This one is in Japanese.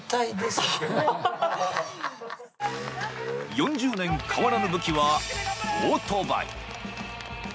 ４０年、変わらぬ武器はオートバイ。